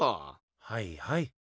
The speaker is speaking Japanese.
はいはい。